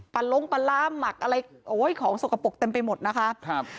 ลงปลาร้าหมักอะไรโอ้ยของสกปรกเต็มไปหมดนะคะครับ